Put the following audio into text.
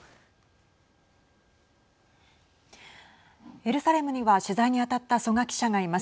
エルサレムには取材に当たった曽我記者がいます。